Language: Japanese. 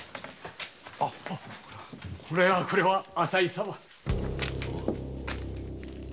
これはこれは浅井様。